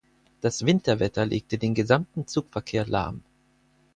Das Winterwetter legte den gesamten Zugverkehr lahm.